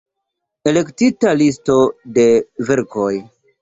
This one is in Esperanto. Elektita listo de verkoj.